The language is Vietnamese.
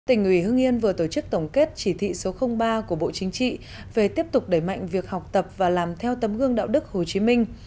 tỉnh ủy hương yên vừa tổ chức tổng kết chỉ thị số ba của bộ chính trị về tiếp tục đẩy mạnh việc học tập và làm theo tấm gương đạo đức hồ chí minh